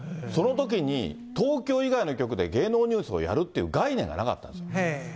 そのときに、東京以外の局で芸能ニュースをやるっていう概念がなかったんです。